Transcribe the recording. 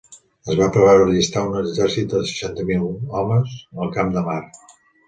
Es va preveure allistar un exèrcit de seixanta mil homes al Camp de Mart.